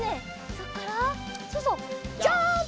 そこからそうそうジャンプ！